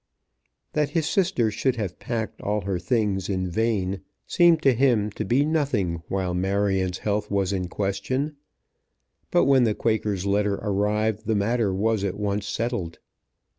That his sister should have packed all her things in vain seemed to him to be nothing while Marion's health was in question; but when the Quaker's letter arrived the matter was at once settled.